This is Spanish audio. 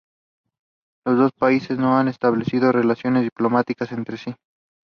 Los dos países no han establecido relaciones diplomáticas entre sí.